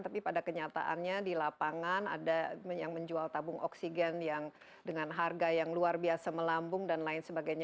tapi pada kenyataannya di lapangan ada yang menjual tabung oksigen yang dengan harga yang luar biasa melambung dan lain sebagainya